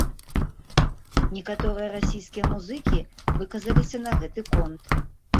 Некаторыя расійскія музыкі выказаліся на гэты конт.